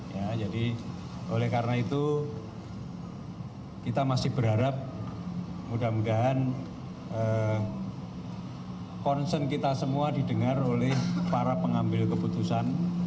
ya jadi oleh karena itu kita masih berharap mudah mudahan concern kita semua didengar oleh para pengambil keputusan